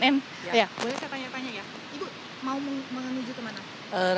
boleh saya tanya tanya ya ibu mau menuju kemana